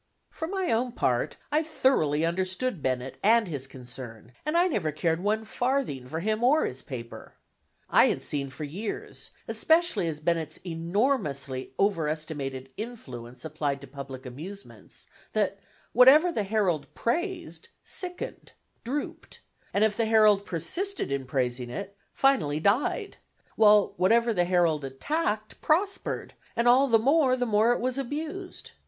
For my own part, I thoroughly understood Bennett and his concern, and I never cared one farthing for him or his paper. I had seen for years, especially as Bennett's enormously overestimated "influence" applied to public amusements, that whatever the Herald praised, sickened, drooped, and if the Herald persisted in praising it, finally died; while whatever the Herald attacked prospered, and all the more, the more it was abused.